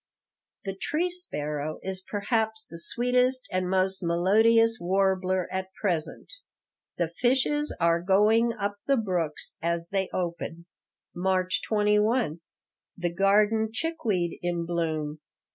"The tree sparrow is perhaps the sweetest and most melodious warbler at present." "The fishes are going up the brooks as they open." March 21 The garden chickweed in bloom.